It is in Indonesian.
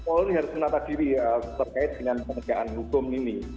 polri harus menata diri terkait dengan penegaan hukum ini